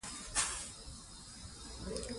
راتلونکی نسل بايد روښانه فکر ولري.